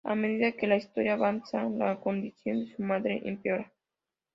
A medida que la historia avanza, la condición de su madre empeora.